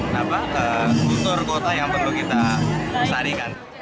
jalan kaki untuk kota kota yang perlu kita sadikan